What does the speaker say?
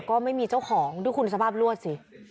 ก็ไม่มีเจ้าของด้วยคุณสภาพลวดสิ